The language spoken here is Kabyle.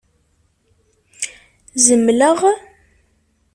Zemleɣ?